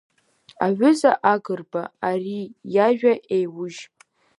Аҩыза Агрба ари иажәа еиужь.